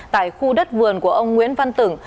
tại khu đất vườn của ông nguyễn văn tửng